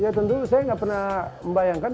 ya tentu saya nggak pernah membayangkan